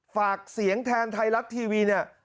ฝากเสียงแทนไทรลักษณ์ทีวีเนี่ย